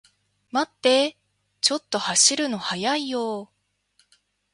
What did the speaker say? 待ってー、ちょっと走るの速いよー